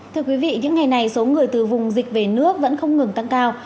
thưa quý vị những ngày này số người từ vùng dịch về nước vẫn không ngừng tăng cao